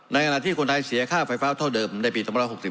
ขณะที่คนไทยเสียค่าไฟฟ้าเท่าเดิมในปี๒๖๔